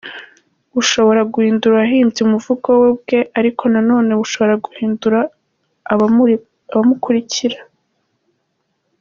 Bushobora guhindura uwahimbye umuvugo we ubwe ariko na none bushobora guhindura abamukurikira.